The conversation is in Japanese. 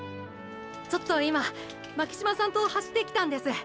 ちょっと今巻島さんと走ってきたんです。